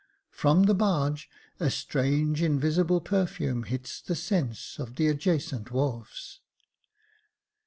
" From the barge A strange, invisible perfume hits the sense Of the adjacent wharfs."